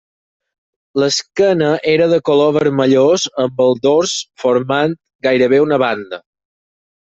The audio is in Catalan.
L'esquena era de color vermellós amb el dors formant gairebé una banda.